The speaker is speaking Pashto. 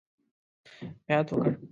بیعت وکړ.